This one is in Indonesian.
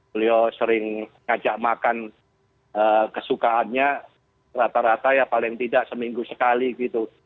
beliau sering ngajak makan kesukaannya rata rata ya paling tidak seminggu sekali gitu